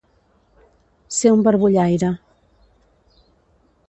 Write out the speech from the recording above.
Ser un barbollaire.